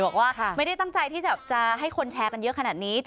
บอกว่าไม่ได้ตั้งใจที่จะให้คนแชร์กันเยอะขนาดนี้